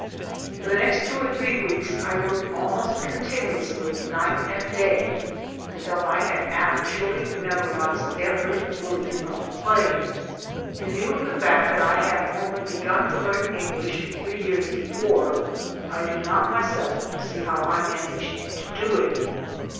For the next two or three weeks I worked almost continuously night and day, until I had actually memorized every word of the play. In view of the fact that I had only begun to learn English three years before, I do not myself see how I managed to do it.